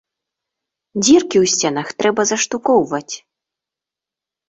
Дзіркі ў сценах трэба заштукоўваць!